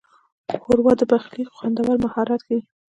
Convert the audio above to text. ښوروا د پخلي خوندور مهارت ښيي.